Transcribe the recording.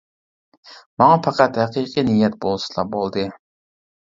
ماڭا پەقەت ھەقىقىي نىيەت بولسىلا بولدى.